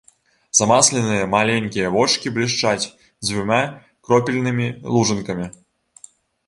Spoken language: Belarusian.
Замасленыя маленькія вочкі блішчаць дзвюма кропельнымі лужынкамі.